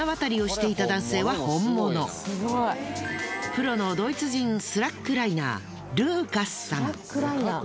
プロのドイツ人スラックライナールーカスさん。